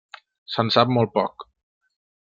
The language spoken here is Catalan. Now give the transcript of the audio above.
Se'n sap molt poc.